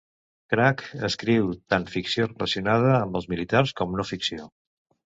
Cragg escriu tant ficció relacionada amb els militars com no ficció.